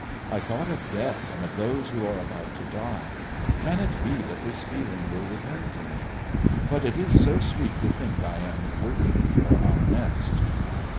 I thought of death and of those who are about to die. Can it be that this feeling will return to me? But it is so sweet to think that I am working for our nest."